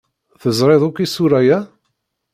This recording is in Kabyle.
Teẓriḍ akk isura-ya?